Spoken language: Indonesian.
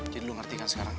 jadi lu ngerti kan sekarang